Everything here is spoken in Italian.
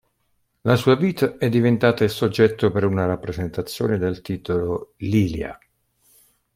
La sua vita è diventata il soggetto per una rappresentazione dal titolo "Lilia!